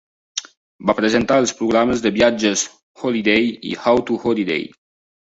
Va presentar els programes de viatges "Holiday" i "How to Holiday".